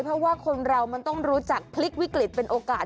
เพราะว่าคนเรามันต้องรู้จักพลิกวิกฤตเป็นโอกาส